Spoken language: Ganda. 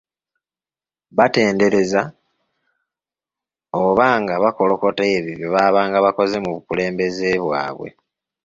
Batendereza oba nga bakolokota ebyo bye baabanga bakoze mu bukulembeze bwabwe.